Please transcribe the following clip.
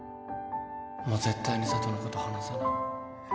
もう絶対に佐都のこと離さない